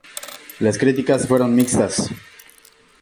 Las críticas fueron mixtas.